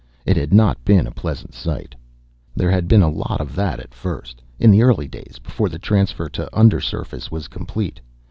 It had not been a pleasant sight. There had been a lot of that at first, in the early days before the transfer to undersurface was complete.